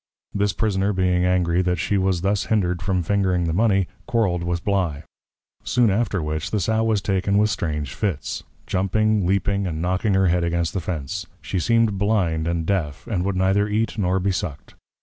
This Prisoner being angry that she was thus hindred from fingring the Mony, quarrell'd with Bly. Soon after which, the Sow was taken with strange Fits; Jumping, Leaping, and Knocking her Head against the Fence; she seem'd Blind and Deaf, and would neither Eat nor be Suck'd.